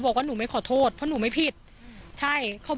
ก็กลายเป็นว่าติดต่อพี่น้องคู่นี้ไม่ได้เลยค่ะ